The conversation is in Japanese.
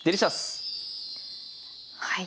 はい。